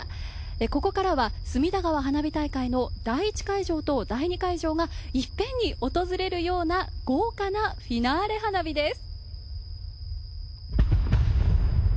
ここからは、隅田川花火大会の第一会場と第二会場が、いっぺんに訪れるような豪華なフィナーレ花火です。